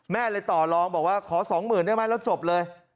แม่เลยต่อลองบอกว่าขอ๒๐๐๐ได้ไหมแล้วจบเลย